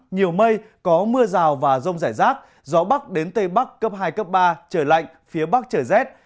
nhiều mây có mưa rào và rông rải rác gió bắc đến tây bắc cấp hai cấp ba trời lạnh phía bắc trời rét